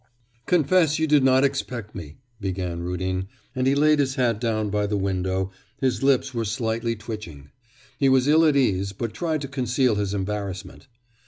'Confess you did not expect me,' began Rudin, and he laid his hat down by the window. His lips were slightly twitching. He was ill at ease, but tried to conceal his embarrassment.